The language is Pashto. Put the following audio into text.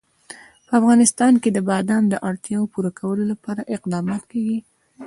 په افغانستان کې د بادام د اړتیاوو پوره کولو لپاره اقدامات کېږي.